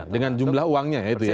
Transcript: dengan jumlah uangnya ya itu ya